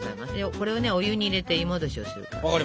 これをねお湯に入れて湯もどしをする感じ。